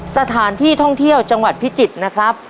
สถานที่ท่องเที่ยวจังหวัดพิจิตรนะครับ